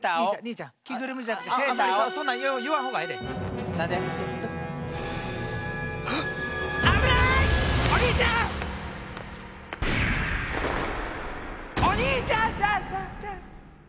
ちゃんちゃんちゃん。